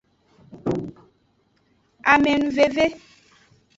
Amenuveve.